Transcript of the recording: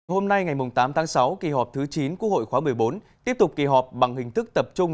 hôm nay ngày tám tháng sáu kỳ họp thứ chín quốc hội khóa một mươi bốn tiếp tục kỳ họp bằng hình thức tập trung